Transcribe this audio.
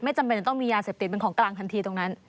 จำเป็นต้องมียาเสพติดเป็นของกลางทันทีตรงนั้น